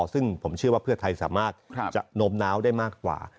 ซึ่งผมเชื่อว่าเพื่อไทยสามารถจะโน้มน้าวได้มากกว่า